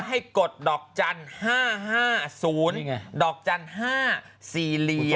ให้กดดอกจัน๕๕๐๕๕๐๘๕๔เหลี่ยม